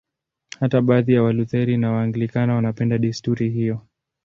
Hata baadhi ya Walutheri na Waanglikana wanapenda desturi hiyo.